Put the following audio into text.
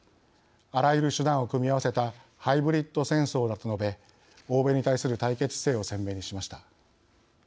あらゆる手段を組み合わせたハイブリッド戦争だと述べ欧米に対する対決姿勢を鮮明にしました。